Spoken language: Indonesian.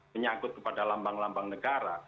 menyangkut kepada lambang lambang negara